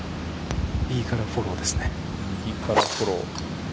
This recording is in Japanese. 右からフォローですね。